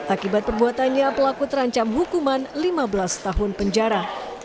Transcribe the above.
akibat perbuatannya pelaku terancam hukuman lima belas tahun penjara